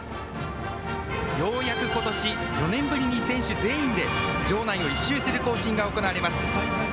ようやくことし４年ぶりに選手全員で場内を一周する行進が行われます。